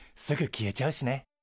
すぐ消えちゃうしね。